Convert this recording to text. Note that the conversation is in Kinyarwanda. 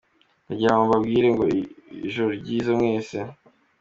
ndagirango mbabwire ngo ijro ryiza mwese